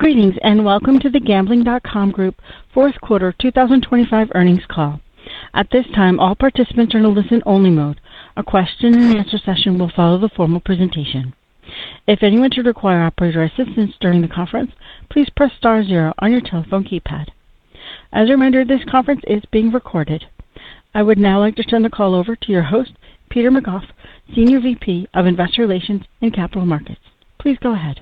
Greetings, and welcome to the Gambling.com Group fourth quarter 2025 earnings call. At this time, all participants are in a listen-only mode. A question and answer session will follow the formal presentation. If anyone should require operator assistance during the conference, please press star zero on your telephone keypad. As a reminder, this conference is being recorded. I would now like to turn the call over to your host, Peter McGough, Senior VP of Investor Relations and Capital Markets. Please go ahead.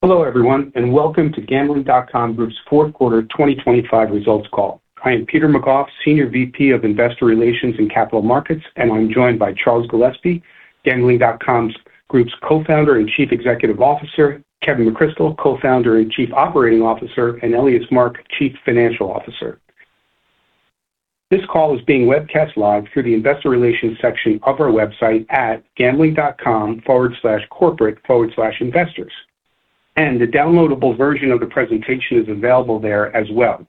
Hello, everyone, and welcome to Gambling.com Group's fourth quarter 2025 results call. I am Peter McGough, Senior VP of Investor Relations and Capital Markets, and I'm joined by Charles Gillespie, Gambling.com Group's Co-founder and Chief Executive Officer, Kevin McCrystle, Co-founder and Chief Operating Officer, and Elias Mark, Chief Financial Officer. This call is being webcast live through the investor relations section of our website at gambling.com/corporate/investors. A downloadable version of the presentation is available there as well.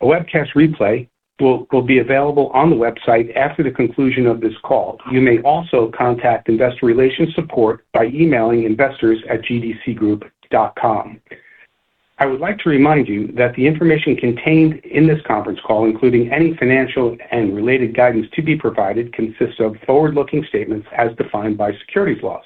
A webcast replay will be available on the website after the conclusion of this call. You may also contact investor relations support by emailing investors@gdcgroup.com. I would like to remind you that the information contained in this conference call, including any financial and related guidance to be provided, consists of forward-looking statements as defined by securities laws.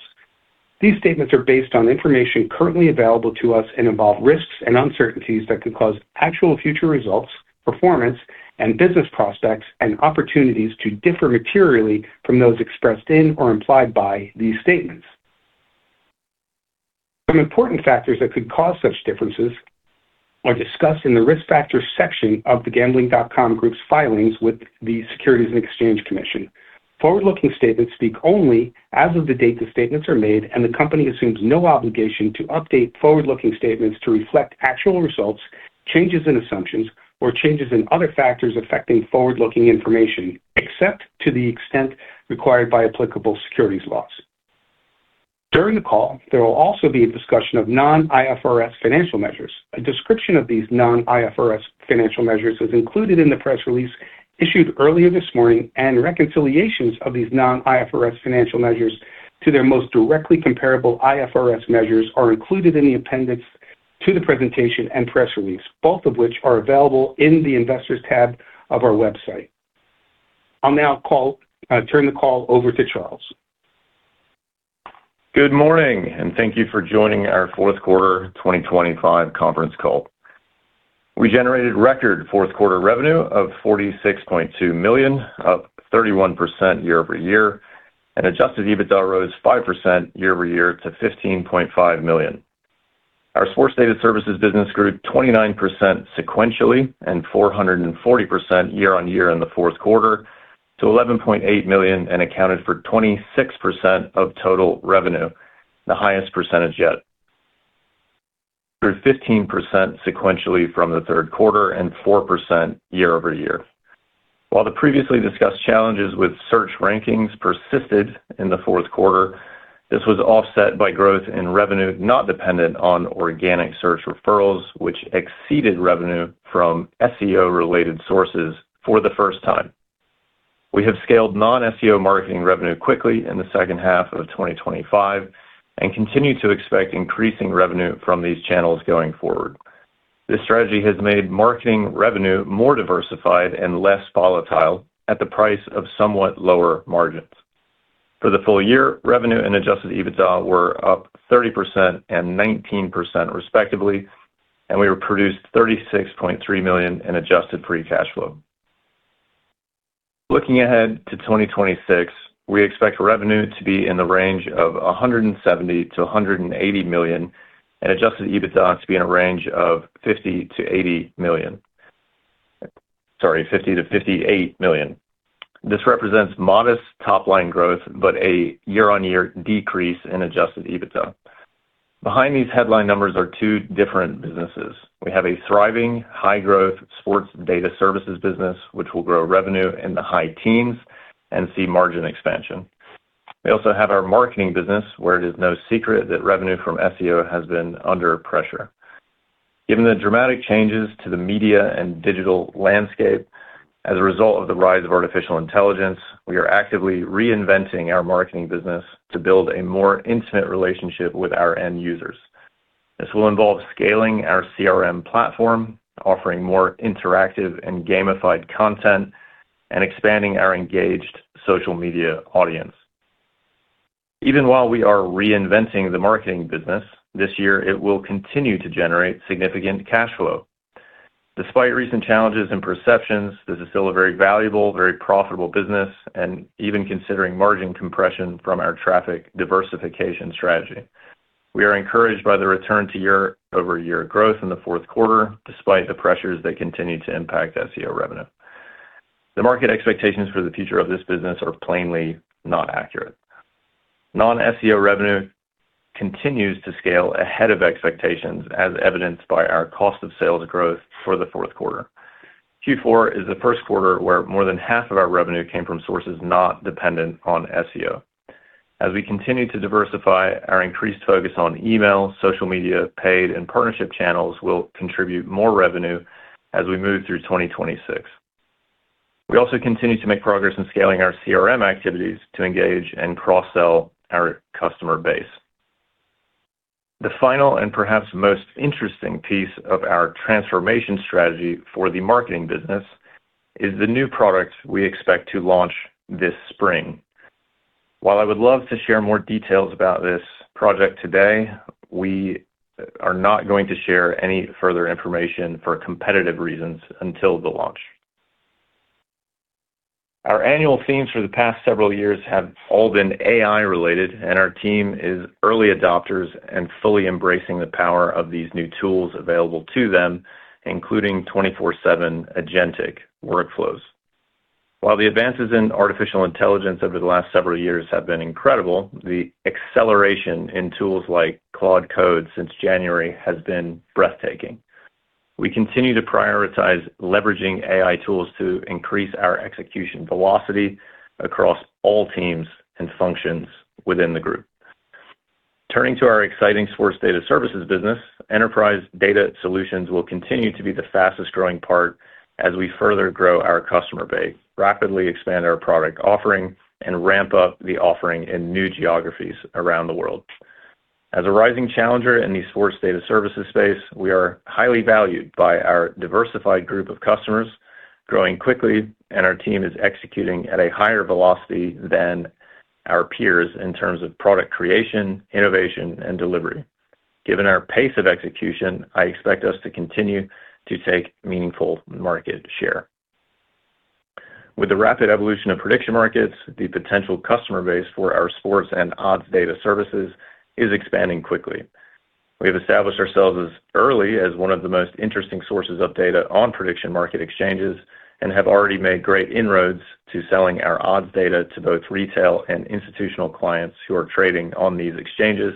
These statements are based on information currently available to us and involve risks and uncertainties that could cause actual future results, performance, and business prospects and opportunities to differ materially from those expressed in or implied by these statements. Some important factors that could cause such differences are discussed in the Risk Factors section of the Gambling.com Group's filings with the Securities and Exchange Commission. Forward-looking statements speak only as of the date the statements are made, and the company assumes no obligation to update forward-looking statements to reflect actual results, changes in assumptions, or changes in other factors affecting forward-looking information, except to the extent required by applicable securities laws. During the call, there will also be a discussion of non-IFRS financial measures. A description of these non-IFRS financial measures is included in the press release issued earlier this morning, and reconciliations of these non-IFRS financial measures to their most directly comparable IFRS measures are included in the appendix to the presentation and press release, both of which are available in the Investors tab of our website. I'll now turn the call over to Charles. Good morning, and thank you for joining our fourth quarter 2025 conference call. We generated record fourth quarter revenue of $46.2 million, up 31% year-over-year, and adjusted EBITDA rose 5% year-over-year to $15.5 million. Our sports data services business grew 29% sequentially and 440% year-over-year in the fourth quarter to $11.8 million and accounted for 26% of total revenue, the highest percentage yet. It grew 15% sequentially from the third quarter and 4% year-over-year. While the previously discussed challenges with search rankings persisted in the fourth quarter, this was offset by growth in revenue not dependent on organic search referrals, which exceeded revenue from SEO-related sources for the first time. We have scaled non-SEO marketing revenue quickly in the second half of 2025 and continue to expect increasing revenue from these channels going forward. This strategy has made marketing revenue more diversified and less volatile at the price of somewhat lower margins. For the full year, revenue and adjusted EBITDA were up 30% and 19% respectively, and we produced $36.3 million in adjusted free cash flow. Looking ahead to 2026, we expect revenue to be in the range of $170 million-$180 million and adjusted EBITDA to be in a range of $50 million-$58 million. This represents modest top-line growth but a year-on-year decrease in adjusted EBITDA. Behind these headline numbers are two different businesses. We have a thriving high-growth sports data services business, which will grow revenue in the high teens and see margin expansion. We also have our marketing business, where it is no secret that revenue from SEO has been under pressure. Given the dramatic changes to the media and digital landscape as a result of the rise of artificial intelligence, we are actively reinventing our marketing business to build a more intimate relationship with our end users. This will involve scaling our CRM platform, offering more interactive and gamified content, and expanding our engaged social media audience. Even while we are reinventing the marketing business this year, it will continue to generate significant cash flow. Despite recent challenges and perceptions, this is still a very valuable, very profitable business and even considering margin compression from our traffic diversification strategy. We are encouraged by the return to year-over-year growth in the fourth quarter, despite the pressures that continue to impact SEO revenue. The market expectations for the future of this business are plainly not accurate. Non-SEO revenue continues to scale ahead of expectations, as evidenced by our cost of sales growth for the fourth quarter. Q4 is the first quarter where more than half of our revenue came from sources not dependent on SEO. As we continue to diversify, our increased focus on email, social media, paid and partnership channels will contribute more revenue as we move through 2026. We also continue to make progress in scaling our CRM activities to engage and cross-sell our customer base. The final, and perhaps most interesting piece of our transformation strategy for the marketing business is the new product we expect to launch this spring. While I would love to share more details about this project today, we are not going to share any further information for competitive reasons until the launch. Our annual themes for the past several years have all been AI related, and our team is early adopters and fully embracing the power of these new tools available to them, including 24/7 agentic workflows. While the advances in artificial intelligence over the last several years have been incredible, the acceleration in tools like Claude Code since January has been breathtaking. We continue to prioritize leveraging AI tools to increase our execution velocity across all teams and functions within the group. Turning to our exciting sports data services business, enterprise data solutions will continue to be the fastest-growing part as we further grow our customer base, rapidly expand our product offering, and ramp up the offering in new geographies around the world. As a rising challenger in the sports data services space, we are highly valued by our diversified group of customers, growing quickly, and our team is executing at a higher velocity than our peers in terms of product creation, innovation, and delivery. Given our pace of execution, I expect us to continue to take meaningful market share. With the rapid evolution of prediction markets, the potential customer base for our sports and odds data services is expanding quickly. We have established ourselves as early as one of the most interesting sources of data on prediction market exchanges and have already made great inroads to selling our odds data to both retail and institutional clients who are trading on these exchanges,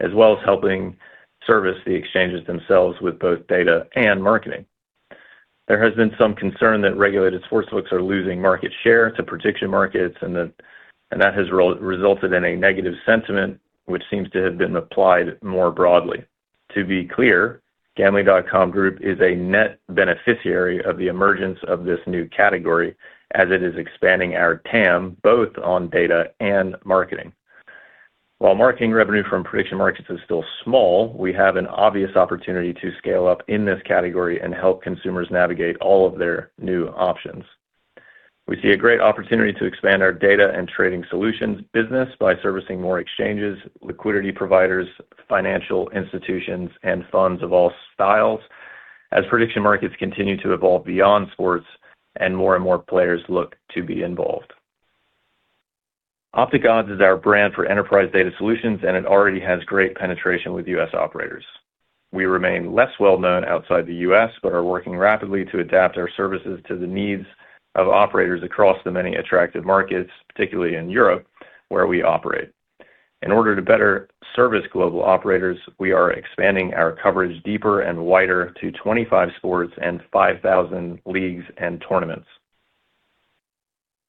as well as helping service the exchanges themselves with both data and marketing. There has been some concern that regulated sportsbooks are losing market share to prediction markets and that has resulted in a negative sentiment which seems to have been applied more broadly. To be clear, Gambling.com Group is a net beneficiary of the emergence of this new category as it is expanding our TAM, both on data and marketing. While marketing revenue from prediction markets is still small, we have an obvious opportunity to scale up in this category and help consumers navigate all of their new options. We see a great opportunity to expand our data and trading solutions business by servicing more exchanges, liquidity providers, financial institutions, and funds of all styles as prediction markets continue to evolve beyond sports and more and more players look to be involved. OpticOdds is our brand for enterprise data solutions, and it already has great penetration with U.S. operators. We remain less well-known outside the U.S. but are working rapidly to adapt our services to the needs of operators across the many attractive markets, particularly in Europe, where we operate. In order to better service global operators, we are expanding our coverage deeper and wider to 25 sports and 5,000 leagues and tournaments.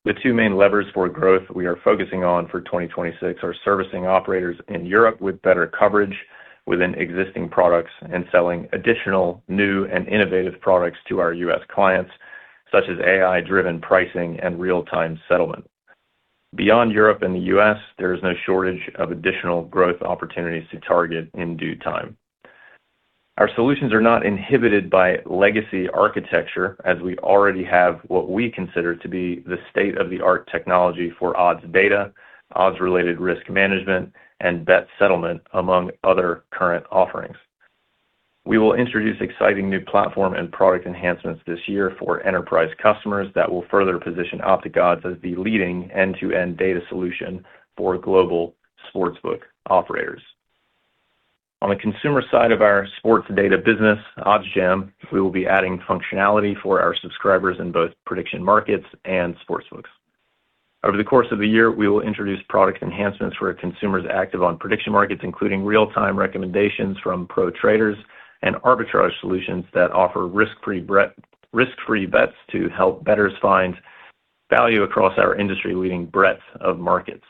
The two main levers for growth we are focusing on for 2026 are servicing operators in Europe with better coverage within existing products and selling additional new and innovative products to our U.S. clients, such as AI-driven pricing and real-time settlement. Beyond Europe and the U.S., there is no shortage of additional growth opportunities to target in due time. Our solutions are not inhibited by legacy architecture, as we already have what we consider to be the state-of-the-art technology for odds data, odds-related risk management, and bet settlement, among other current offerings. We will introduce exciting new platform and product enhancements this year for enterprise customers that will further position OpticOdds as the leading end-to-end data solution for global sportsbook operators. On the consumer side of our sports data business, OddsJam, we will be adding functionality for our subscribers in both prediction markets and sportsbooks. Over the course of the year, we will introduce product enhancements for consumers active on prediction markets, including real-time recommendations from pro traders and arbitrage solutions that offer risk-free bets to help bettors find value across our industry-leading breadth of markets.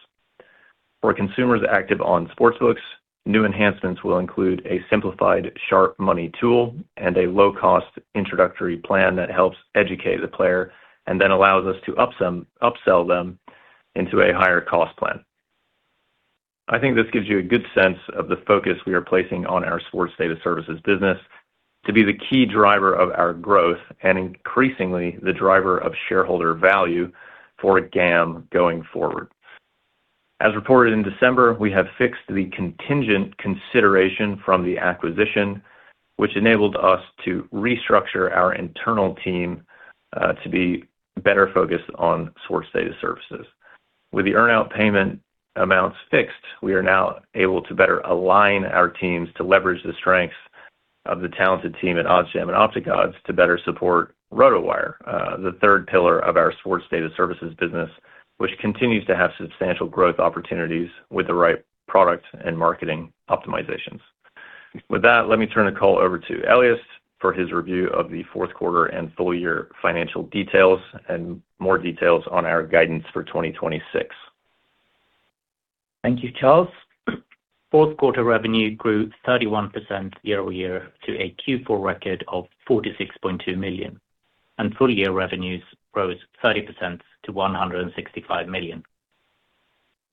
For consumers active on sportsbooks, new enhancements will include a simplified sharp money tool and a low-cost introductory plan that helps educate the player and then allows us to upsell them into a higher cost plan. I think this gives you a good sense of the focus we are placing on our sports data services business to be the key driver of our growth and increasingly the driver of shareholder value for GAN going forward. As reported in December, we have fixed the contingent consideration from the acquisition, which enabled us to restructure our internal team to be better focused on sports data services. With the earn-out payment amounts fixed, we are now able to better align our teams to leverage the strengths of the talented team at OddsJam and OpticOdds to better support RotoWire, the third pillar of our sports data services business, which continues to have substantial growth opportunities with the right product and marketing optimizations. With that, let me turn the call over to Elias for his review of the fourth quarter and full year financial details and more details on our guidance for 2026. Thank you, Charles. Fourth quarter revenue grew 31% year-over-year to a Q4 record of $46.2 million, and full-year revenues rose 30% to $165 million.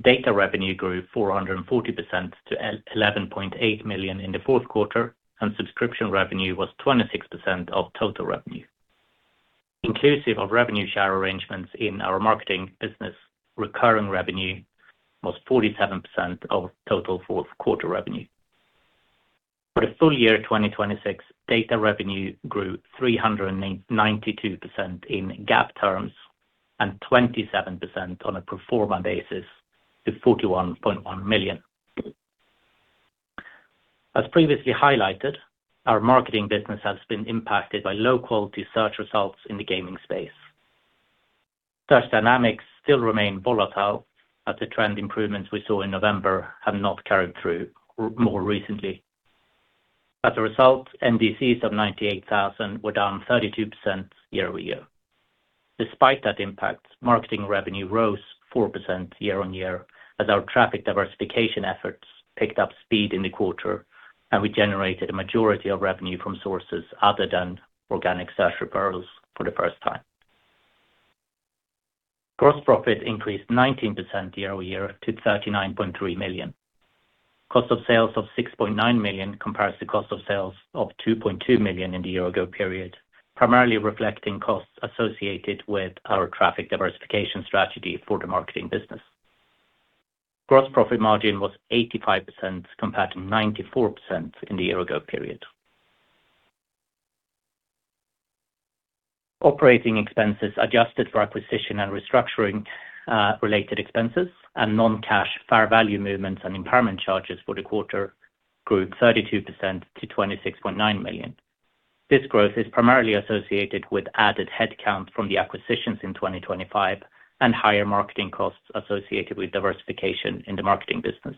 Data revenue grew 440% to $11.8 million in the fourth quarter, and subscription revenue was 26% of total revenue. Inclusive of revenue share arrangements in our marketing business, recurring revenue was 47% of total fourth quarter revenue. For the full year 2026, data revenue grew 392% in GAAP terms, and 27% on a pro forma basis to $41.1 million. As previously highlighted, our marketing business has been impacted by low-quality search results in the gaming space. Such dynamics still remain volatile as the trend improvements we saw in November have not carried through more recently. As a result, NDCs of 98,000 were down 32% year-over-year. Despite that impact, marketing revenue rose 4% year-over-year as our traffic diversification efforts picked up speed in the quarter, and we generated a majority of revenue from sources other than organic search referrals for the first time. Gross profit increased 19% year-over-year to $39.3 million. Cost of sales of $6.9 million compares to cost of sales of $2.2 million in the year ago period, primarily reflecting costs associated with our traffic diversification strategy for the marketing business. Gross profit margin was 85% compared to 94% in the year ago period. Operating expenses adjusted for acquisition and restructuring related expenses and non-cash fair value movements and impairment charges for the quarter grew 32% to $26.9 million. This growth is primarily associated with added headcount from the acquisitions in 2025 and higher marketing costs associated with diversification in the marketing business.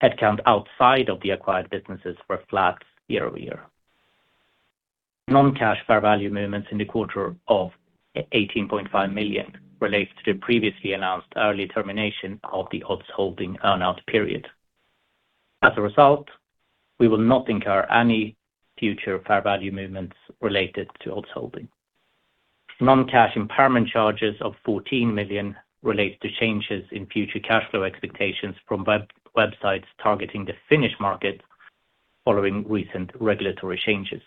Headcount outside of the acquired businesses were flat year-over-year. Non-cash fair value movements in the quarter of 18.5 million relates to the previously announced early termination of the Odds Holdings earn out period. As a result, we will not incur any future fair value movements related to Odds Holdings. Non-cash impairment charges of 14 million relates to changes in future cash flow expectations from websites targeting the Finnish market following recent regulatory changes.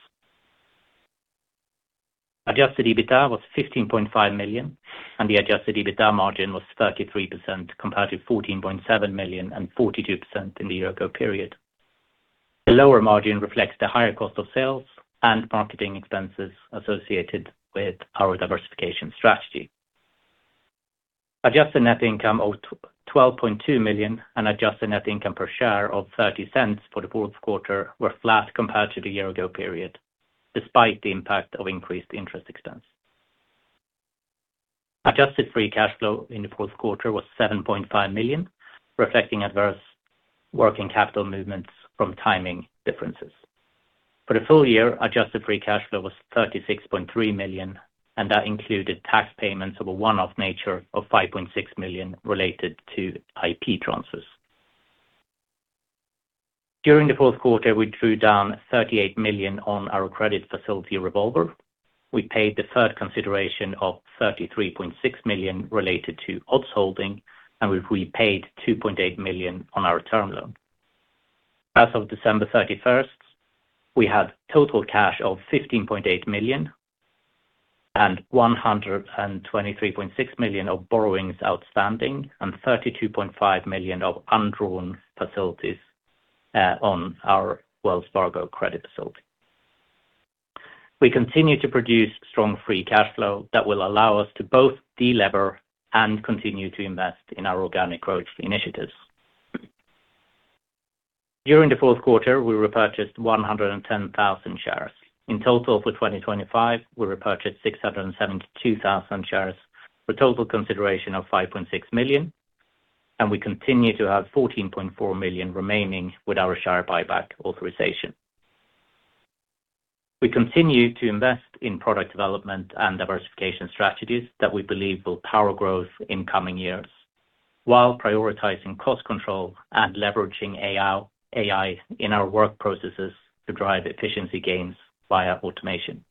Adjusted EBITDA was 15.5 million, and the adjusted EBITDA margin was 33% compared to 14.7 million and 42% in the year ago period. The lower margin reflects the higher cost of sales and marketing expenses associated with our diversification strategy. Adjusted net income of $12.2 million and adjusted net income per share of $0.30 for the fourth quarter were flat compared to the year-ago period despite the impact of increased interest expense. Adjusted free cash flow in the fourth quarter was $7.5 million, reflecting adverse working capital movements from timing differences. For the full year, adjusted free cash flow was $36.3 million, and that included tax payments of a one-off nature of $5.6 million related to IP transfers. During the fourth quarter, we drew down $38 million on our credit facility revolver. We paid the third consideration of $33.6 million related to Odds Holdings, and we've repaid $2.8 million on our term loan. As of December 31, we had total cash of $15.8 million and $123.6 million of borrowings outstanding and $32.5 million of undrawn facilities on our Wells Fargo credit facility. We continue to produce strong free cash flow that will allow us to both delever and continue to invest in our organic growth initiatives. During the fourth quarter, we repurchased 110,000 shares. In total for 2025, we repurchased 672,000 shares for a total consideration of $5.6 million, and we continue to have $14.4 million remaining with our share buyback authorization. We continue to invest in product development and diversification strategies that we believe will power growth in coming years while prioritizing cost control and leveraging AI in our work processes to drive efficiency gains via automation.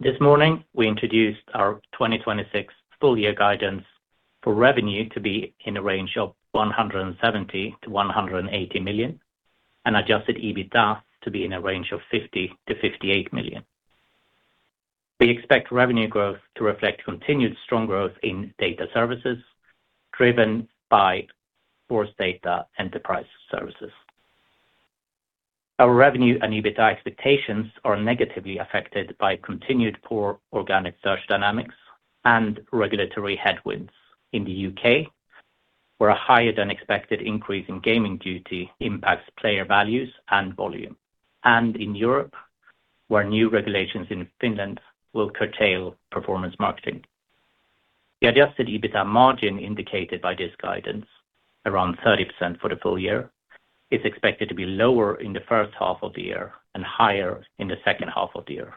This morning, we introduced our 2026 full year guidance for revenue to be in a range of $170 million-$180 million and adjusted EBITDA to be in a range of $50 million-$58 million. We expect revenue growth to reflect continued strong growth in data services driven by OpticOdds enterprise services. Our revenue and EBITDA expectations are negatively affected by continued poor organic search dynamics and regulatory headwinds in the U.K., where a higher-than-expected increase in gaming duty impacts player values and volume, and in Europe, where new regulations in Finland will curtail performance marketing. The adjusted EBITDA margin indicated by this guidance, around 30% for the full year, is expected to be lower in the first half of the year and higher in the second half of the year.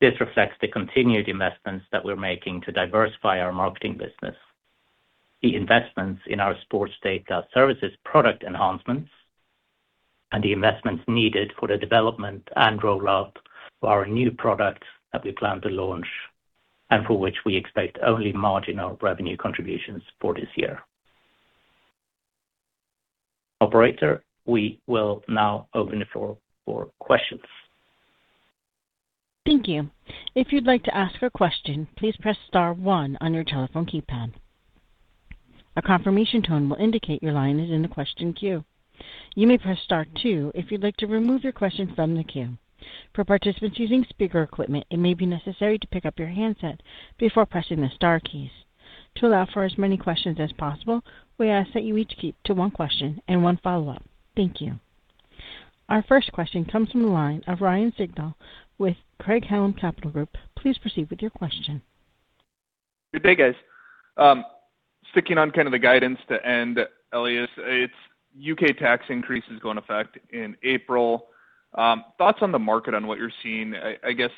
This reflects the continued investments that we're making to diversify our marketing business. The investments in our sports data services product enhancements and the investments needed for the development and rollout for our new product that we plan to launch and for which we expect only marginal revenue contributions for this year. Operator, we will now open the floor for questions. Thank you. If you'd like to ask a question, please press star one on your telephone keypad. A confirmation tone will indicate your line is in the question queue. You may press star two if you'd like to remove your question from the queue. For participants using speaker equipment, it may be necessary to pick up your handset before pressing the star keys. To allow for as many questions as possible, we ask that you each keep to one question and one follow-up. Thank you. Our first question comes from the line of Ryan Sigdahl with Craig-Hallum Capital Group. Please proceed with your question. Good day, guys. Sticking on kind of the guidance to end, Elias, its U.K. tax increase is going into effect in April. Thoughts on the market on what you're seeing. I guess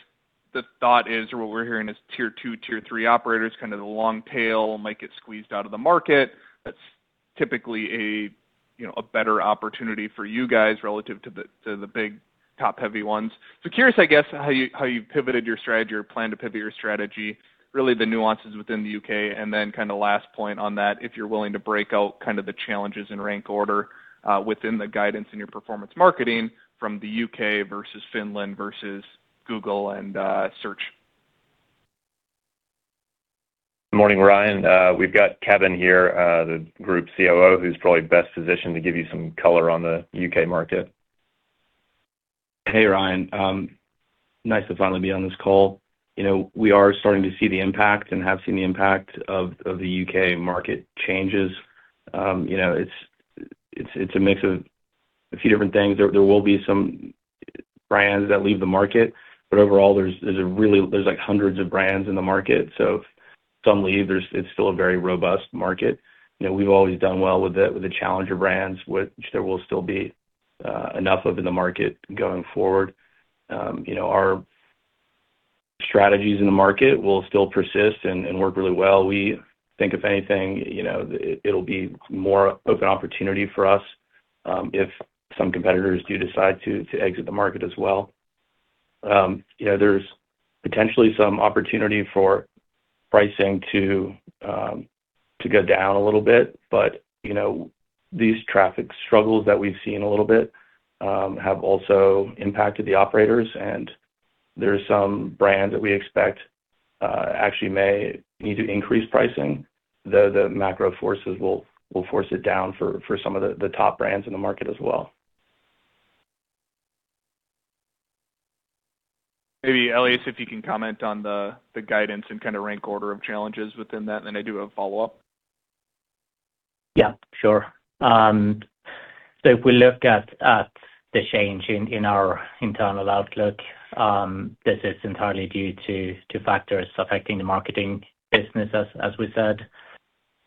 the thought is or what we're hearing is tier two, tier three operators, kind of the long tail might get squeezed out of the market. That's typically a, you know, a better opportunity for you guys relative to the, to the big top-heavy ones. So curious, I guess, how you pivoted your strategy or plan to pivot your strategy, really the nuances within the U.K. Then kind of last point on that, if you're willing to break out kind of the challenges in rank order, within the guidance in your performance marketing from the U.K. versus Finland versus Google and Search. Morning, Ryan. We've got Kevin here, the group COO, who's probably best positioned to give you some color on the UK market. Hey, Ryan. Nice to finally be on this call. You know, we are starting to see the impact and have seen the impact of the U.K. market changes. You know, it's a mix of a few different things. There will be some brands that leave the market, but overall, there's really like hundreds of brands in the market. So if some leave, it's still a very robust market. You know, we've always done well with the challenger brands, which there will still be enough of in the market going forward. You know, our strategies in the market will still persist and work really well. We think if anything, you know, it'll be more of an opportunity for us, if some competitors do decide to exit the market as well. You know, there's potentially some opportunity for pricing to go down a little bit. You know, these traffic struggles that we've seen a little bit have also impacted the operators, and there's some brands that we expect actually may need to increase pricing, though the macro forces will force it down for some of the top brands in the market as well. Maybe, Elias, if you can comment on the guidance and kind of rank order of challenges within that, then I do have a follow-up. Yeah, sure. So if we look at the change in our internal outlook, this is entirely due to factors affecting the marketing business, as we said.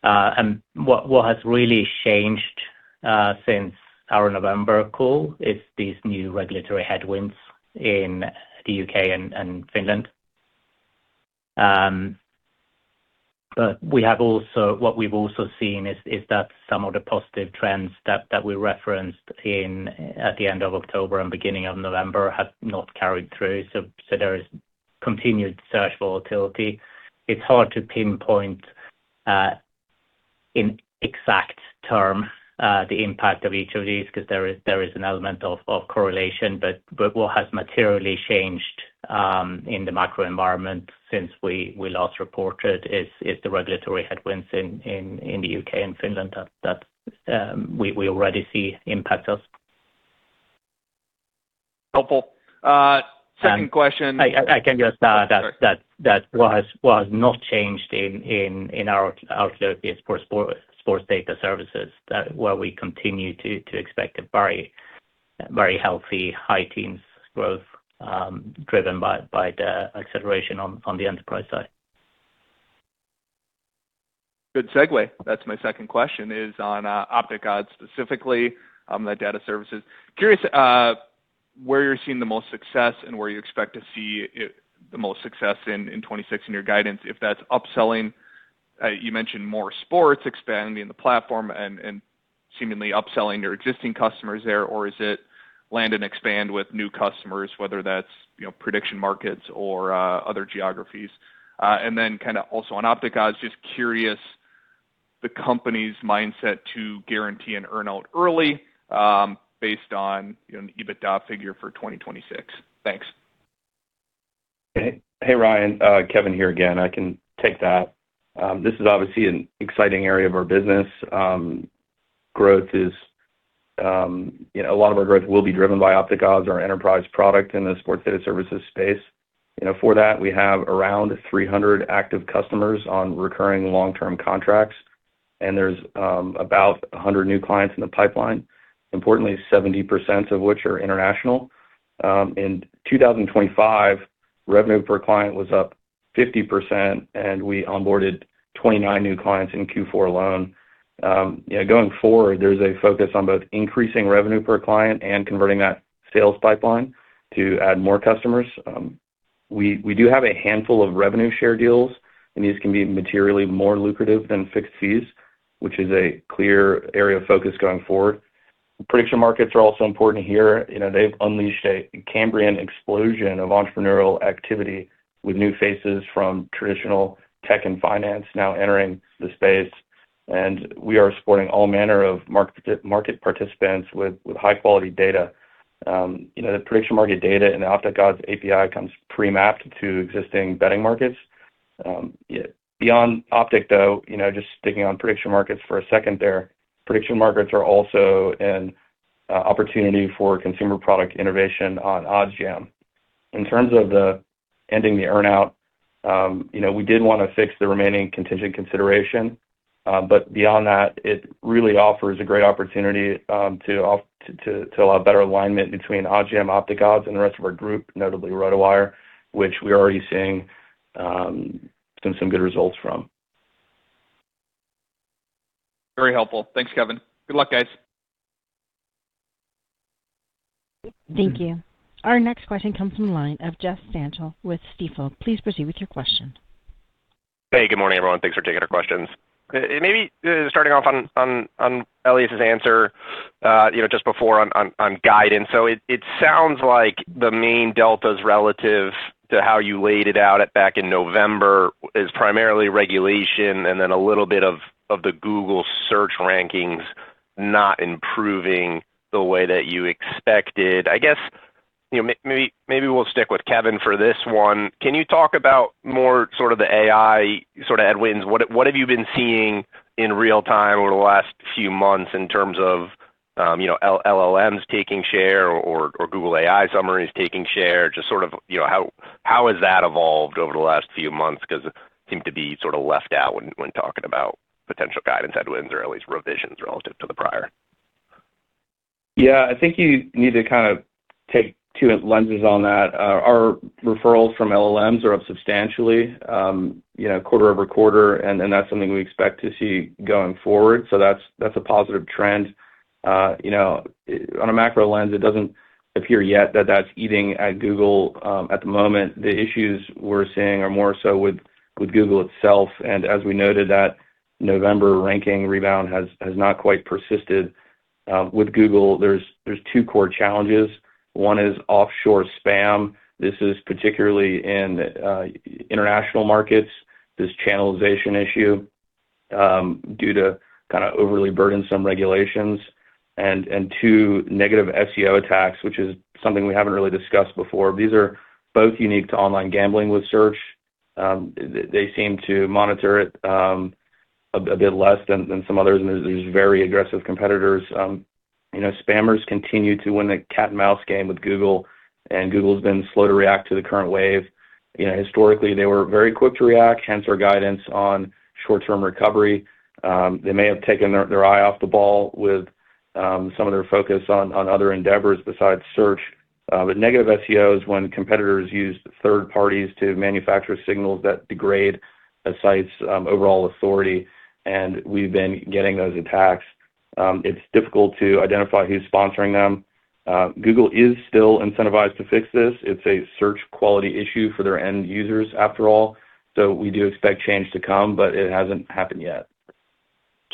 What has really changed since our November call is these new regulatory headwinds in the U.K. and Finland. But what we've also seen is that some of the positive trends that we referenced at the end of October and beginning of November have not carried through. There is continued search volatility. It's hard to pinpoint in exact terms the impact of each of these 'cause there is an element of correlation. What has materially changed in the macro environment since we last reported is the regulatory headwinds in the UK and Finland that we already see impact us. Helpful. Second question. I can just add that what has not changed in our outlook is for sports data services, that where we continue to expect a very healthy high teens growth, driven by the acceleration on the enterprise side. Good segue. That's my second question, is on OpticOdds specifically, the data services. Curious where you're seeing the most success and where you expect to see it the most success in 2026 in your guidance, if that's upselling, you mentioned more sports expanding the platform and seemingly upselling your existing customers there. Or is it land and expand with new customers, whether that's, you know, prediction markets or other geographies? And then kinda also on OpticOdds, just curious, the company's mindset to guarantee an earn-out early, based on, you know, an EBITDA figure for 2026. Thanks. Hey, Ryan, Kevin here again. I can take that. This is obviously an exciting area of our business. Growth is, you know, a lot of our growth will be driven by OpticOdds, our enterprise product in the sports data services space. You know, for that, we have around 300 active customers on recurring long-term contracts, and there's about 100 new clients in the pipeline, importantly, 70% of which are international. In 2025, revenue per client was up 50%, and we onboarded 29 new clients in Q4 alone. Yeah, going forward, there's a focus on both increasing revenue per client and converting that sales pipeline to add more customers. We do have a handful of revenue share deals, and these can be materially more lucrative than fixed fees, which is a clear area of focus going forward. Prediction markets are also important here. You know, they've unleashed a Cambrian explosion of entrepreneurial activity with new faces from traditional tech and finance now entering the space. We are supporting all manner of market participants with high-quality data. You know, the prediction market data and the OpticOdds API comes pre-mapped to existing betting markets. Beyond OpticOdds, though, you know, just sticking on prediction markets for a second there. Prediction markets are also an opportunity for consumer product innovation on OddsJam. In terms of the ending the earn-out, you know, we did wanna fix the remaining contingent consideration. Beyond that, it really offers a great opportunity to allow better alignment between OddsJam, OpticOdds and the rest of our group, notably RotoWire, which we're already seeing some good results from. Very helpful. Thanks, Kevin. Good luck, guys. Thank you. Our next question comes from the line of Jeffrey Stantial with Stifel. Please proceed with your question. Hey, good morning, everyone. Thanks for taking our questions. Maybe starting off on Elias's answer, you know, just before on guidance. It sounds like the main deltas relative to how you laid it out back in November is primarily regulation and then a little bit of the Google search rankings not improving the way that you expected. I guess, you know, maybe we'll stick with Kevin for this one. Can you talk about more sort of the AI sort of headwinds? What have you been seeing in real-time over the last few months in terms of, you know, LLMs taking share or Google AI summaries taking share? Just sort of, you know, how has that evolved over the last few months? 'Cause it seemed to be sort of left out when talking about potential guidance headwinds or at least revisions relative to the prior. Yeah. I think you need to kind of take two lenses on that. Our referrals from LLMs are up substantially, you know, quarter-over-quarter, and that's something we expect to see going forward. So that's a positive trend. You know, on a macro lens, it doesn't appear yet that that's eating at Google at the moment. The issues we're seeing are more so with Google itself, and as we noted, that November ranking rebound has not quite persisted. With Google, there's two core challenges. One is offshore spam. This is particularly in international markets, this channelization issue due to kinda overly burdensome regulations. And two, negative SEO attacks, which is something we haven't really discussed before. These are both unique to online gambling with search. They seem to monitor it a bit less than some others and these very aggressive competitors. You know, spammers continue to win a cat-and-mouse game with Google, and Google's been slow to react to the current wave. You know, historically, they were very quick to react, hence our guidance on short-term recovery. They may have taken their eye off the ball with some of their focus on other endeavors besides search. Negative SEO is when competitors use third parties to manufacture signals that degrade a site's overall authority, and we've been getting those attacks. It's difficult to identify who's sponsoring them. Google is still incentivized to fix this. It's a search quality issue for their end users, after all. We do expect change to come, but it hasn't happened yet.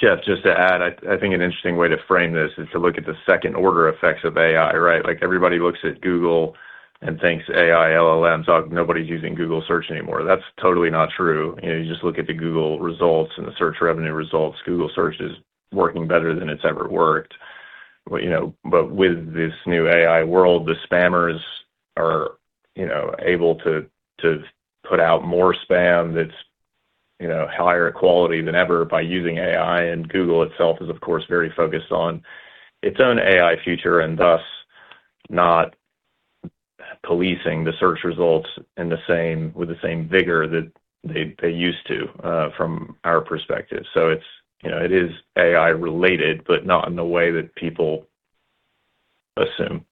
Jeff, just to add, I think an interesting way to frame this is to look at the second order effects of AI, right? Like, everybody looks at Google and thinks AI, LLM, so nobody's using Google Search anymore. That's totally not true. You know, you just look at the Google results and the search revenue results. Google Search is working better than it's ever worked. You know, but with this new AI world, the spammers are you know, able to put out more spam that's you know, higher quality than ever by using AI. Google itself is, of course, very focused on its own AI future and thus not policing the search results with the same vigor that they used to, from our perspective. It's you know, it is AI related, but not in the way that people assume.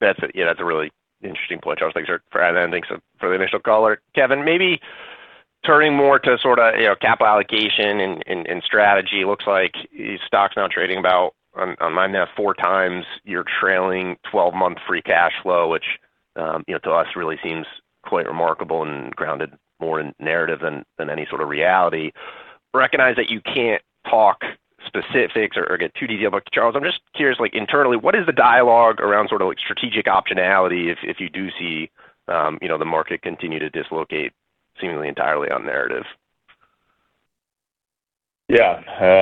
That's yeah, that's a really interesting point, Charles. Thanks for adding that in. Thanks for the initial caller. Kevin, maybe turning more to sorta, you know, capital allocation and strategy. Looks like your stock's now trading about on 9.4 times your trailing twelve-month free cash flow, which, you know, to us really seems quite remarkable and grounded more in narrative than any sort of reality. Recognize that you can't talk specifics or get too detailed. But Charles, I'm just curious, like internally, what is the dialogue around sorta like strategic optionality if you do see, you know, the market continue to dislocate seemingly entirely on narrative? I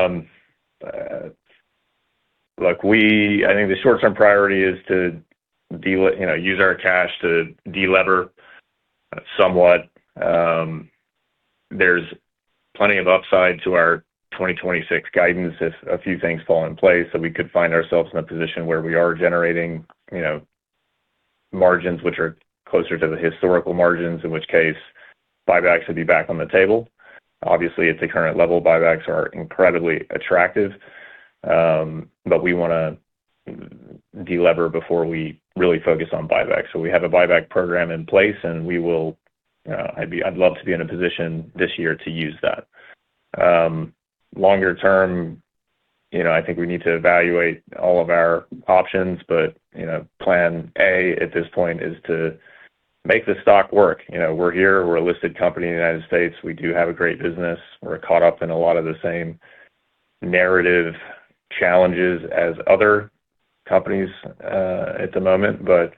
think the short-term priority is to use our cash to de-lever somewhat. There's plenty of upside to our 2026 guidance if a few things fall in place. We could find ourselves in a position where we are generating, you know, margins which are closer to the historical margins, in which case Buybacks would be back on the table. Obviously, at the current level, buybacks are incredibly attractive. We wanna de-lever before we really focus on buyback. We have a buyback program in place, and we will, I'd love to be in a position this year to use that. Longer term, you know, I think we need to evaluate all of our options, but, you know, plan A at this point is to make the stock work. You know, we're here, we're a listed company in the United States. We do have a great business. We're caught up in a lot of the same narrative challenges as other companies, at the moment, but,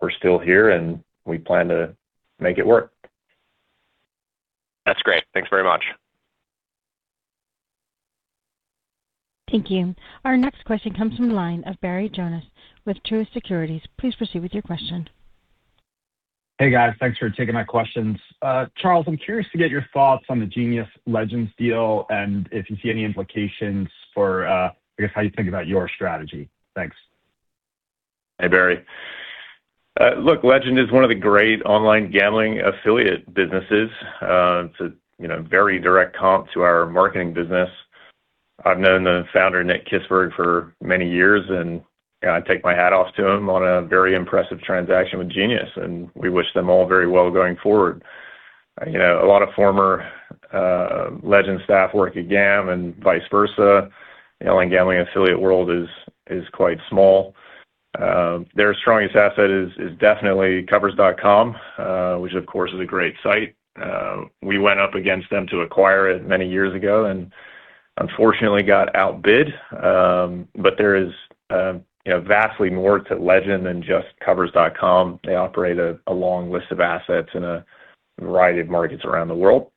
we're still here, and we plan to make it work. That's great. Thanks very much. Thank you. Our next question comes from the line of Barry Jonas with Truist Securities. Please proceed with your question. Hey, guys. Thanks for taking my questions. Charles, I'm curious to get your thoughts on the Genius-Legend deal and if you see any implications for, I guess, how you think about your strategy. Thanks. Hey, Barry. Look, Legend is one of the great online gambling affiliate businesses. It's a, you know, very direct comp to our marketing business. I've known the founder, Nick Kisberg, for many years, and I take my hat off to him on a very impressive transaction with Genius, and we wish them all very well going forward. You know, a lot of former Legend staff work at GAN and vice versa. The online gambling affiliate world is quite small. Their strongest asset is definitely Covers.com, which of course is a great site. We went up against them to acquire it many years ago and unfortunately got outbid. There is, you know, vastly more to Legend than just Covers.com. They operate a long list of assets in a variety of markets around the world.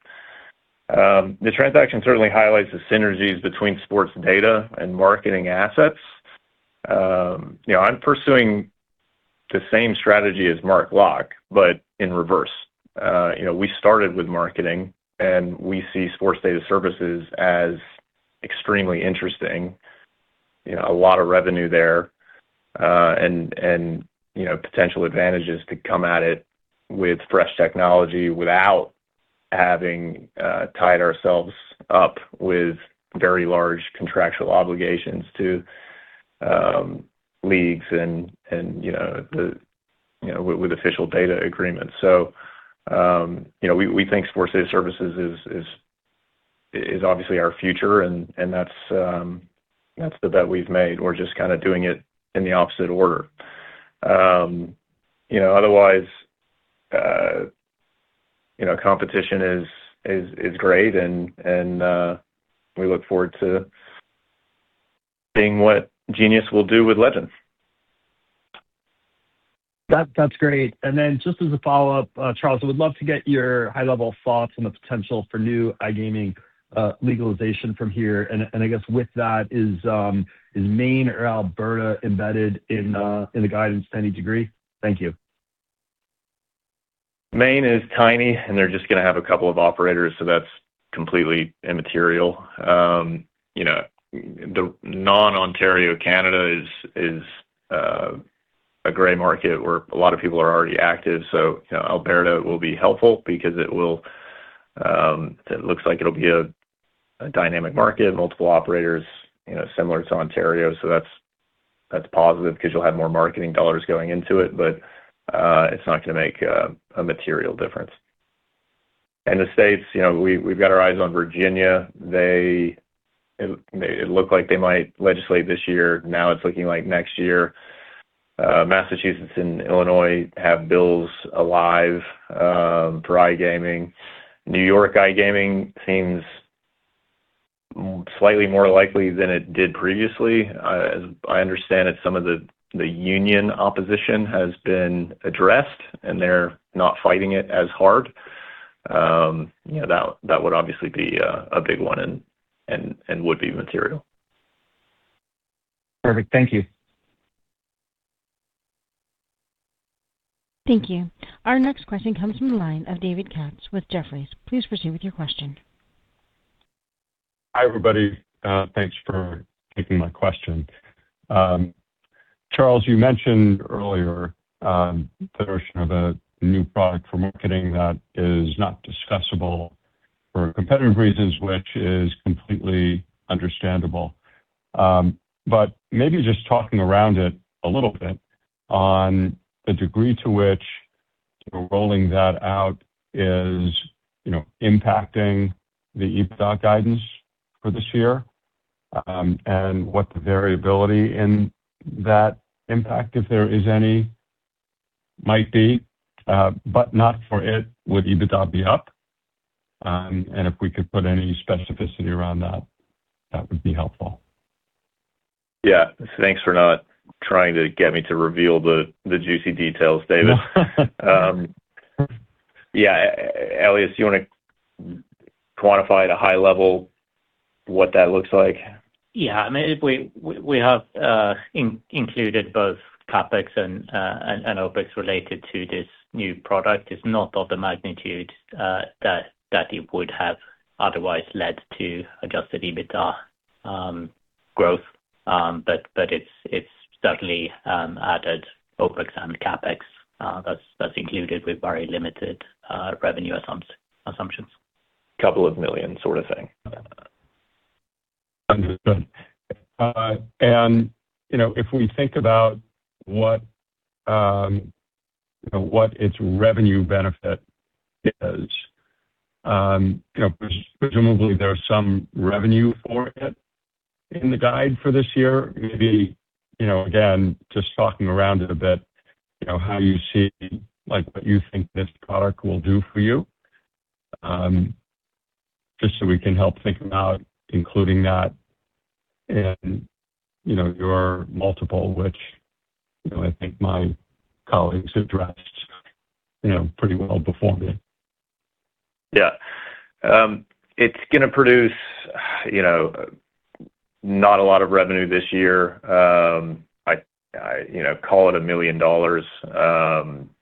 The transaction certainly highlights the synergies between sports data and marketing assets. You know, I'm pursuing the same strategy as Mark Locke, but in reverse. You know, we started with marketing, and we see sports data services as extremely interesting. You know, a lot of revenue there, and you know, potential advantages to come at it with fresh technology without having tied ourselves up with very large contractual obligations to leagues and you know the you know with official data agreements. You know, we think sports data services is obviously our future and that's the bet we've made. We're just kinda doing it in the opposite order. You know, otherwise you know, competition is great and we look forward to seeing what Genius will do with Legend. That, that's great. Then just as a follow-up, Charles, I would love to get your high-level thoughts on the potential for new iGaming legalization from here. I guess with that, is Maine or Alberta embedded in the guidance to any degree? Thank you. Maine is tiny, and they're just gonna have a couple of operators, so that's completely immaterial. You know, the non-Ontario Canada is a gray market where a lot of people are already active. So, you know, Alberta will be helpful because it looks like it'll be a dynamic market, multiple operators, you know, similar to Ontario. So that's positive because you'll have more marketing dollars going into it, but it's not gonna make a material difference. In the States, you know, we've got our eyes on Virginia. It looked like they might legislate this year. Now it's looking like next year. Massachusetts and Illinois have bills alive for iGaming. New York iGaming seems slightly more likely than it did previously. As I understand it, some of the union opposition has been addressed, and they're not fighting it as hard. You know, that would obviously be a big one and would be material. Perfect. Thank you. Thank you. Our next question comes from the line of David Katz with Jefferies. Please proceed with your question. Hi, everybody. Thanks for taking my question. Charles, you mentioned earlier, the notion of a new product for marketing that is not discussable for competitive reasons, which is completely understandable. Maybe just talking around it a little bit on the degree to which rolling that out is, you know, impacting the EBITDA guidance for this year, and what the variability in that impact, if there is any, might be, but not for it, would EBITDA be up? If we could put any specificity around that would be helpful. Yeah. Thanks for not trying to get me to reveal the juicy details, David. Yeah. Elias, you wanna quantify at a high level what that looks like? Yeah. I mean, if we have included both CapEx and OpEx related to this new product, is not of the magnitude that it would have otherwise led to adjusted EBITDA growth. It's certainly added OpEx and CapEx, that's included with very limited revenue assumptions. $2 million sort of thing. Understood. You know, if we think about what its revenue benefit is, you know, presumably there's some revenue for it in the guide for this year. Maybe, you know, again, just talking around it a bit, you know, how you see, like, what you think this product will do for you, just so we can help think about including that in, you know, your multiple, which, you know, I think my colleagues have addressed, you know, pretty well before me. Yeah. It's gonna produce, you know, not a lot of revenue this year. I, you know, call it $1 million,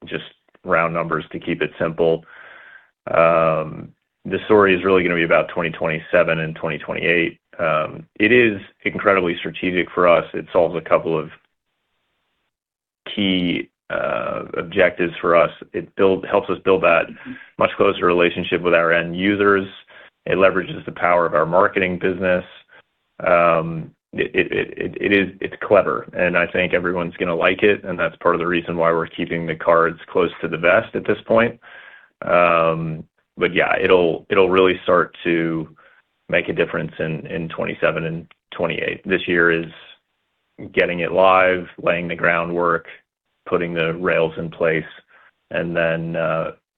just round numbers to keep it simple. The story is really gonna be about 2027 and 2028. It is incredibly strategic for us. It solves a couple of key objectives for us. It helps us build that much closer relationship with our end users. It leverages the power of our marketing business. It's clever, and I think everyone's gonna like it, and that's part of the reason why we're keeping the cards close to the vest at this point. Yeah, it'll really start to make a difference in 2027 and 2028. This year is getting it live, laying the groundwork, putting the rails in place, and then,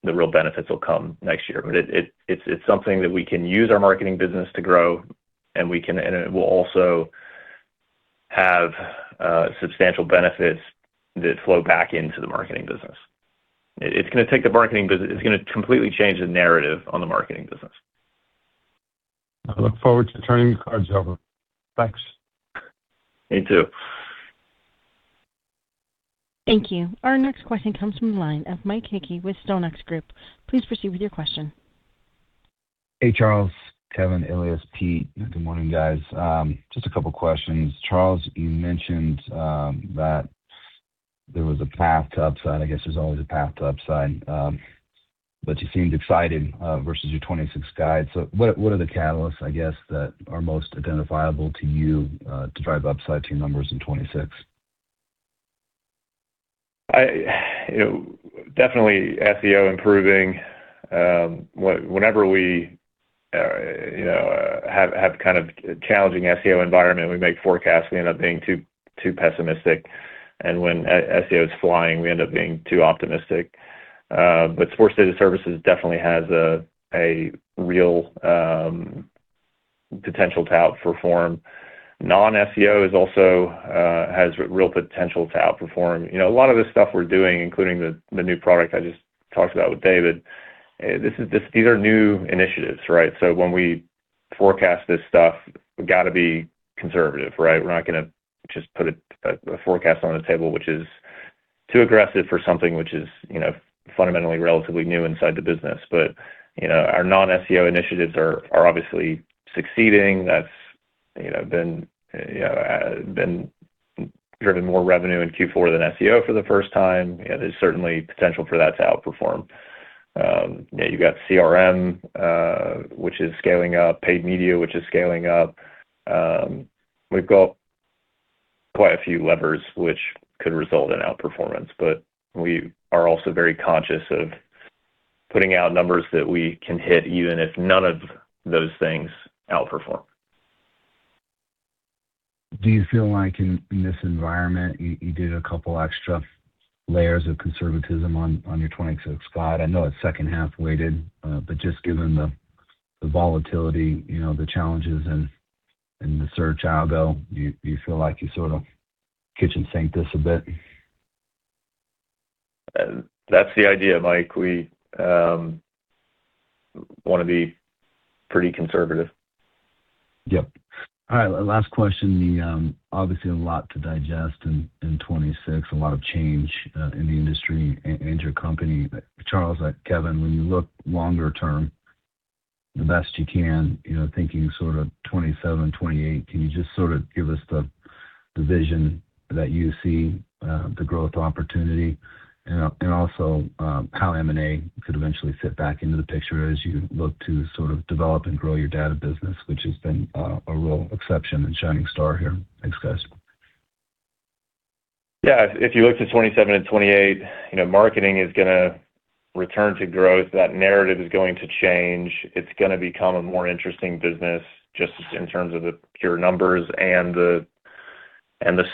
the real benefits will come next year. It, it's something that we can use our marketing business to grow, and it will also have, substantial benefits that flow back into the marketing business. It's gonna completely change the narrative on the marketing business. I look forward to turning the cards over. Thanks. Me too. Thank you. Our next question comes from the line of Mike Hickey with The Benchmark Company. Please proceed with your question. Hey, Charles, Kevin, Elias, Peter. Good morning, guys. Just a couple questions. Charles, you mentioned that there was a path to upside. I guess there's always a path to upside, but you seemed excited versus your 2026 guide. What are the catalysts, I guess, that are most identifiable to you to drive upside to your numbers in 2026? You know, definitely SEO improving. Whenever we, you know, have kind of challenging SEO environment, we make forecasts, we end up being too pessimistic. When SEO is flying, we end up being too optimistic. Sports Data Services definitely has a real potential to outperform. Non-SEO also has real potential to outperform. You know, a lot of this stuff we're doing, including the new product I just talked about with David, these are new initiatives, right? When we forecast this stuff, we've got to be conservative, right? We're not gonna just put a forecast on the table, which is too aggressive for something which is, you know, fundamentally relatively new inside the business. You know, our non-SEO initiatives are obviously succeeding. That's, you know, been driving more revenue in Q4 than SEO for the first time. There's certainly potential for that to outperform. You know, you've got CRM, which is scaling up, paid media, which is scaling up. We've got quite a few levers which could result in outperformance, but we are also very conscious of putting out numbers that we can hit even if none of those things outperform. Do you feel like in this environment, you did a couple extra layers of conservatism on your 26 guide? I know it's second half weighted, but just given the volatility, you know, the challenges in the search algo, do you feel like you sort of kitchen sink this a bit? That's the idea, Mike. We wanna be pretty conservative. Yep. All right. Last question. There's obviously a lot to digest in 2026, a lot of change in the industry and your company. Charles, Kevin, when you look longer term, the best you can, you know, thinking sort of 2027, 2028, can you just sort of give us the vision that you see, the growth opportunity and also how M&A could eventually fit back into the picture as you look to sort of develop and grow your data business, which has been a real exception and shining star here. Thanks, guys. Yeah. If you look to 27 and 28, you know, marketing is gonna return to growth. That narrative is going to change. It's gonna become a more interesting business just in terms of the pure numbers and the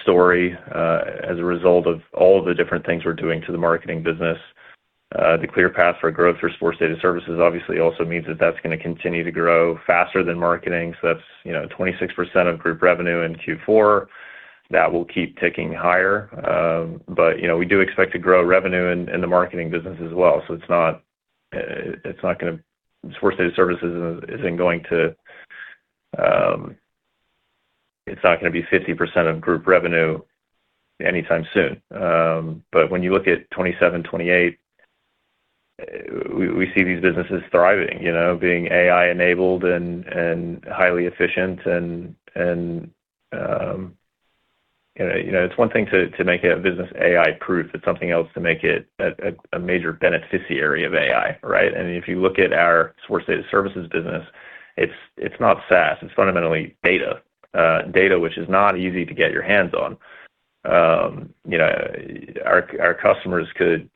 story as a result of all the different things we're doing to the marketing business. The clear path for growth for Sports Data Services obviously also means that that's gonna continue to grow faster than marketing. That's, you know, 26% of group revenue in Q4. That will keep ticking higher. You know, we do expect to grow revenue in the marketing business as well. Sports Data Services isn't going to be 50% of group revenue anytime soon. When you look at 2027, 2028, we see these businesses thriving, you know, being AI-enabled and highly efficient and, you know, it's one thing to make a business AI-proof, it's something else to make it a major beneficiary of AI, right? I mean, if you look at our sports data services business, it's not SaaS, it's fundamentally data which is not easy to get your hands on. You know, our customers could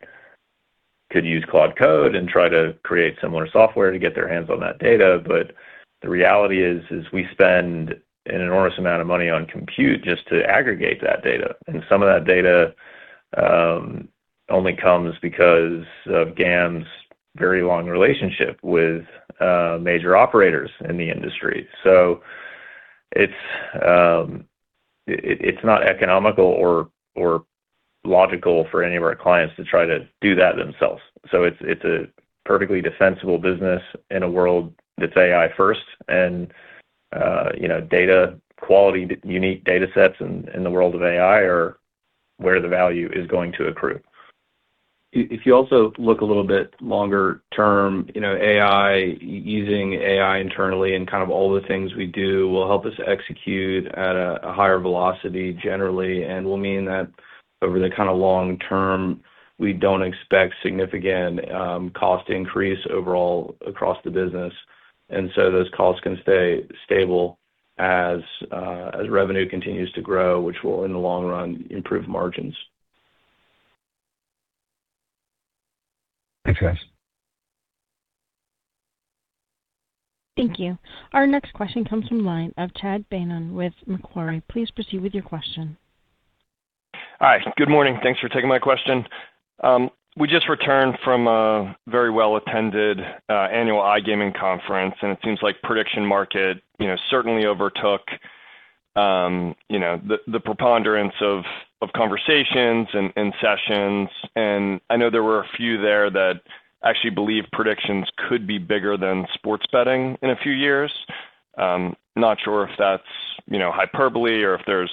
use Claude Code and try to create similar software to get their hands on that data. But the reality is we spend an enormous amount of money on compute just to aggregate that data. And some of that data only comes because of GAN's very long relationship with major operators in the industry. It's not economical or logical for any of our clients to try to do that themselves. It's a perfectly defensible business in a world that's AI first and data quality, unique data sets in the world of AI are where the value is going to accrue. If you also look a little bit longer term, you know, using AI internally and kind of all the things we do will help us execute at a higher velocity generally, and will mean that over the kind of long term, we don't expect significant cost increase overall across the business. Those costs can stay stable as revenue continues to grow, which will, in the long run, improve margins. Thanks, guys. Thank you. Our next question comes from line of Chad Beynon with Macquarie. Please proceed with your question. Hi. Good morning. Thanks for taking my question. We just returned from a very well-attended annual iGaming conference, and it seems like prediction market you know certainly overtook the preponderance of conversations and sessions. I know there were a few there that actually believe predictions could be bigger than sports betting in a few years. Not sure if that's you know hyperbole or if there's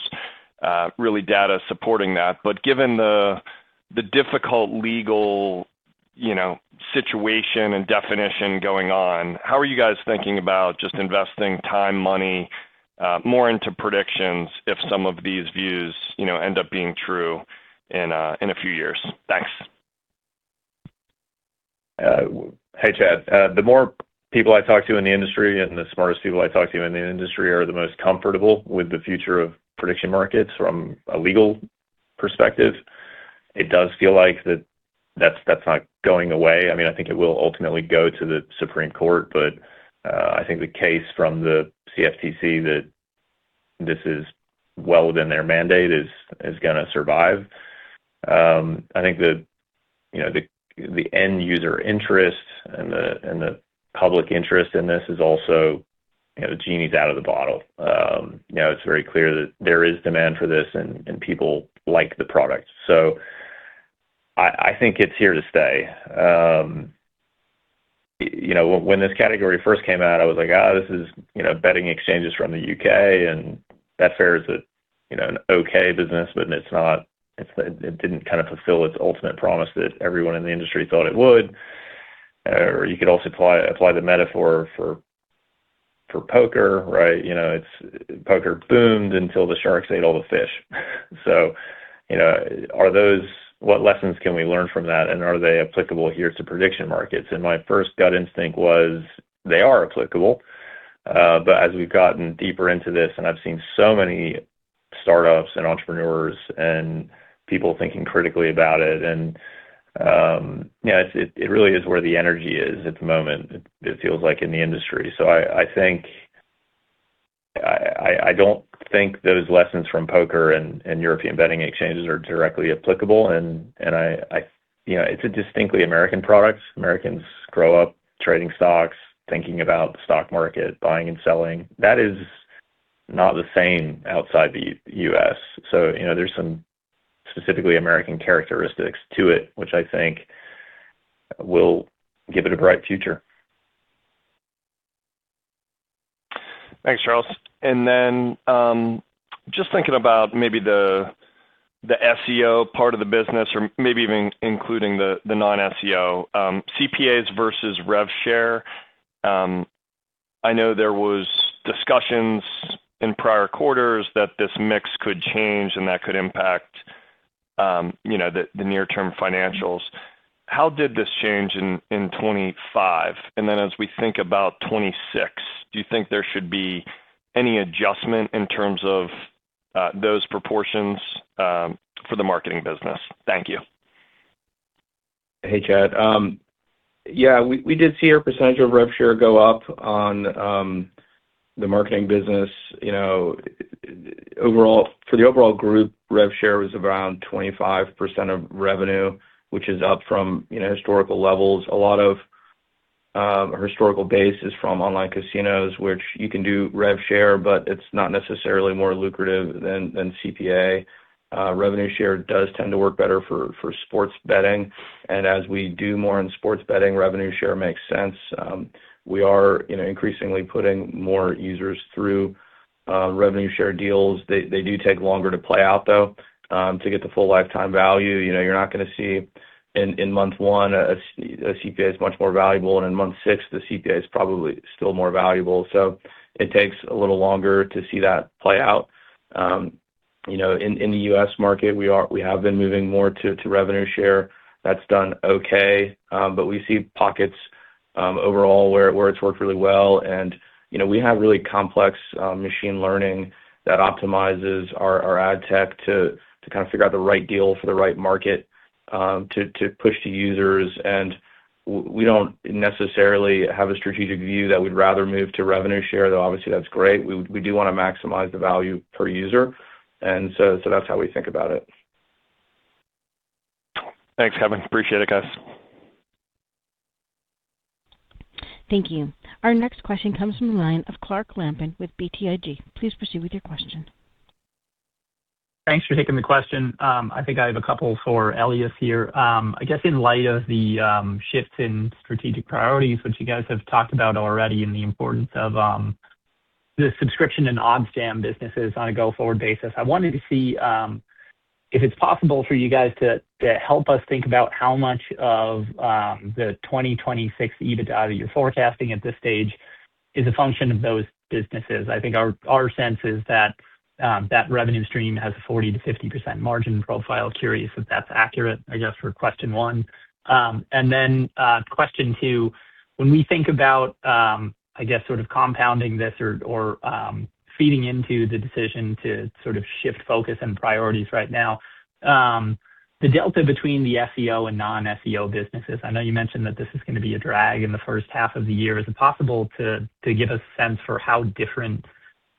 really data supporting that. Given the difficult legal you know situation and definition going on, how are you guys thinking about just investing time, money more into predictions if some of these views you know end up being true in a few years? Thanks. Hey, Chad. The more people I talk to in the industry and the smartest people I talk to in the industry are the most comfortable with the future of prediction markets from a legal perspective. It does feel like that's not going away. I mean, I think it will ultimately go to the Supreme Court, but I think the case from the CFTC that this is well within their mandate is gonna survive. I think the end user interest and the public interest in this is also, you know, the genie's out of the bottle. You know, it's very clear that there is demand for this and people like the product. I think it's here to stay. You know, when this category first came out, I was like, "Oh, this is, you know, betting exchanges from the U.K.," and Betfair is a, you know, an okay business, but it's not. It didn't kind of fulfill its ultimate promise that everyone in the industry thought it would. You could also apply the metaphor for poker, right? You know, it's poker boomed until the sharks ate all the fish. You know, what lessons can we learn from that, and are they applicable here to prediction markets? My first gut instinct was they are applicable. As we've gotten deeper into this and I've seen so many startups and entrepreneurs and people thinking critically about it, and, you know, it really is where the energy is at the moment, it feels like in the industry. I don't think those lessons from poker and European betting exchanges are directly applicable. You know, it's a distinctly American product. Americans grow up trading stocks, thinking about the stock market, buying and selling. That is not the same outside the U.S. You know, there's some specifically American characteristics to it, which I think will give it a bright future. Thanks, Charles. Just thinking about maybe the SEO part of the business or maybe even including the non-SEO CPAs versus rev share. I know there was discussions in prior quarters that this mix could change and that could impact, you know, the near term financials. How did this change in 2025? As we think about 2026, do you think there should be any adjustment in terms of those proportions for the marketing business? Thank you. Hey, Chad. We did see our percentage of rev share go up on the marketing business. You know, overall for the overall group, rev share was around 25% of revenue, which is up from historical levels. A lot of historical base is from online casinos, which you can do rev share, but it's not necessarily more lucrative than CPA. Revenue share does tend to work better for sports betting. As we do more in sports betting, revenue share makes sense. We are increasingly putting more users through revenue share deals, they do take longer to play out, though, to get the full lifetime value. You're not gonna see in month one a CPA is much more valuable, and in month six, the CPA is probably still more valuable. It takes a little longer to see that play out. You know, in the U.S. market, we have been moving more to revenue share. That's done okay. We see pockets overall where it's worked really well. You know, we have really complex machine learning that optimizes our ad tech to kind of figure out the right deal for the right market to push to users. We don't necessarily have a strategic view that we'd rather move to revenue share, though, obviously that's great. We do wanna maximize the value per user. That's how we think about it. Thanks, Kevin. Appreciate it, guys. Thank you. Our next question comes from the line of Clark Lampen with BTIG. Please proceed with your question. Thanks for taking the question. I think I have a couple for Elias here. I guess in light of the shift in strategic priorities, which you guys have talked about already, and the importance of the subscription and OddsJam businesses on a go-forward basis, I wanted to see if it's possible for you guys to help us think about how much of the 2026 EBITDA you're forecasting at this stage is a function of those businesses. I think our sense is that that revenue stream has a 40%-50% margin profile. Curious if that's accurate, I guess, for question one. Question two. When we think about, I guess sort of compounding this or feeding into the decision to sort of shift focus and priorities right now, the delta between the SEO and non-SEO businesses, I know you mentioned that this is gonna be a drag in the first half of the year. Is it possible to give a sense for how different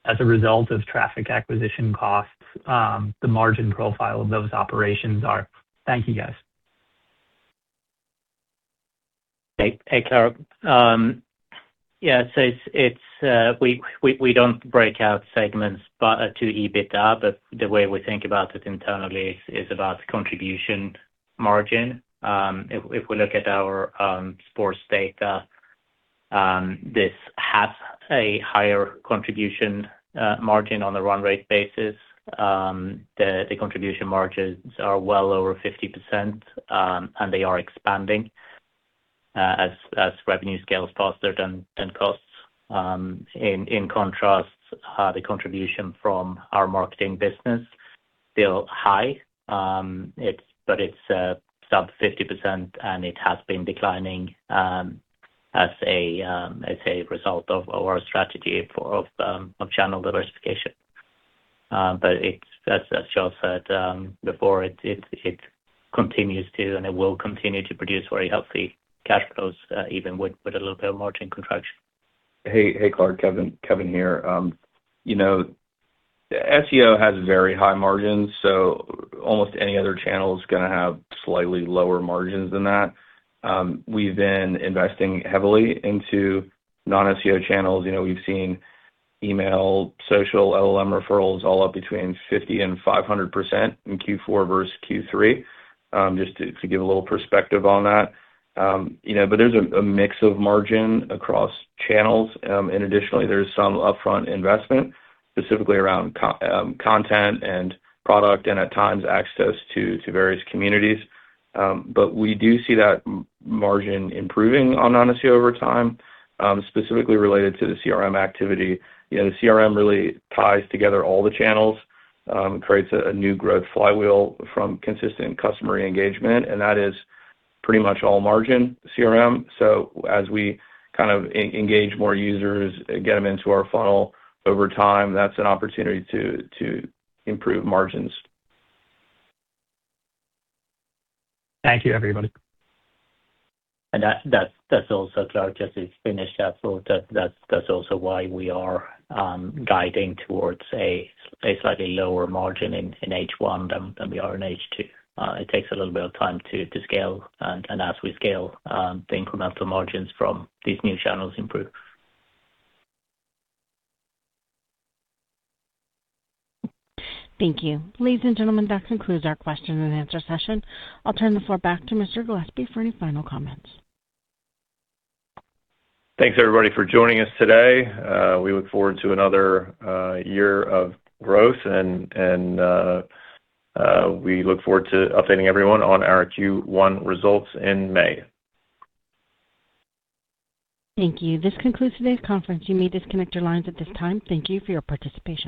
as a result of traffic acquisition costs, the margin profile of those operations are? Thank you, guys. Hey, Clark. Yeah, we don't break out segments to EBITDA, but the way we think about it internally is about contribution margin. If we look at our sports data, this has a higher contribution margin on a run rate basis. The contribution margins are well over 50%, and they are expanding as revenue scales faster than costs. In contrast, the contribution from our marketing business, still high, but it's sub 50%, and it has been declining as a result of our strategy of channel diversification. As Charles said before, it continues to and it will continue to produce very healthy cash flows, even with a little bit of margin contraction. Hey, Clark. Kevin here. You know, SEO has very high margins, so almost any other channel is gonna have slightly lower margins than that. We've been investing heavily into non-SEO channels. You know, we've seen email, social, LLM referrals all up between 50% and 500% in Q4 versus Q3, just to give a little perspective on that. You know, but there's a mix of margin across channels. Additionally, there's some upfront investment, specifically around content and product and at times access to various communities. We do see that margin improving on non-SEO over time, specifically related to the CRM activity. You know, the CRM really ties together all the channels, creates a new growth flywheel from consistent customer engagement, and that is pretty much all margin CRM. As we kind of engage more users, get them into our funnel over time, that's an opportunity to improve margins. Thank you, everybody. That's also, Clark, just to finish that thought, that's also why we are guiding towards a slightly lower margin in H1 than we are in H2. It takes a little bit of time to scale and as we scale, the incremental margins from these new channels improve. Thank you. Ladies and gentlemen, that concludes our question and answer session. I'll turn the floor back to Mr. Gillespie for any final comments. Thanks, everybody, for joining us today. We look forward to another year of growth and we look forward to updating everyone on our Q1 results in May. Thank you. This concludes today's conference. You may disconnect your lines at this time. Thank you for your participation.